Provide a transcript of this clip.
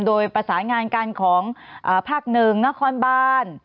โดยประสานงานกันของภาคหนึ่งนครบาน